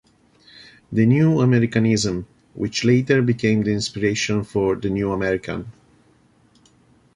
"The New Americanism", which later became the inspiration for "The New American".